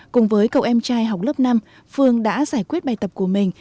cùng với cậu em trai học lớp năm phương đã giải quyết bài tập của mình